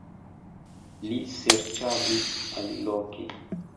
Li serĉadis aliloke.